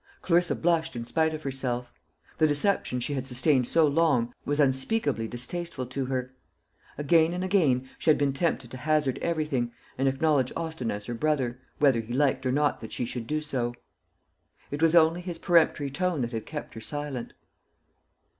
Clarissa blushed in spite of herself. The deception she had sustained so long was unspeakably distasteful to her. Again and again she had been tempted to hazard everything, and acknowledge Austin as her brother, whether he liked or not that she should do so. It was only his peremptory tone that had kept her silent.